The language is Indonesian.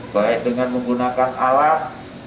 baik dengan menggunakan alat